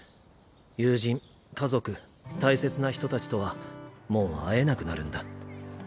友人家族大切な人たちとはもう会えなくなるんだ。